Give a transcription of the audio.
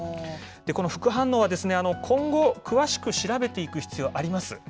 この副反応は今後詳しく調べていく必要あります。